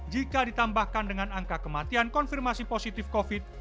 jika ditambahkan dengan angka kematian konfirmasi positif covid